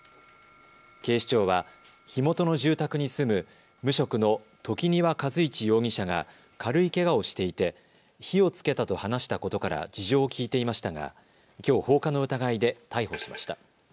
警視庁は火元の住宅に住む無職の時庭和一容疑者が軽いけがをしていて火をつけたと話したことから事情を聴いていましたがきょう放火の疑いで逮捕しました。